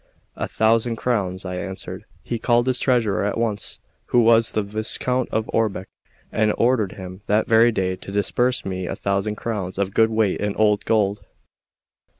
"A thousand crowns," I answered. He called his treasurer at once, who was the Viscount of Orbec, and ordered him that very day to disburse to me a thousand crowns of good weight and old gold.